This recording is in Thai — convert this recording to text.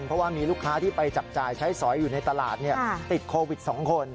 เพราะว่ามีลูกค้าที่ไปจับจ่ายใช้สอยอยู่ในตลาดติดโควิด๒คน